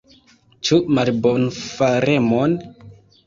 Ĉu malbonfaremon?